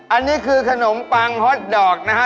อันนี้คือขนมปังฮอตดอกนะฮะ